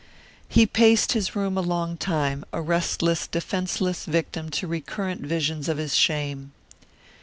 He paced his room a long time, a restless, defenceless victim to recurrent visions of his shame.